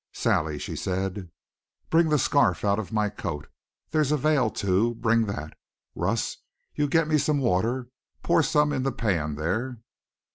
"Sally," she said, "bring the scarf out of my coat. There's a veil too. Bring that. Russ, you get me some water pour some in the pan there."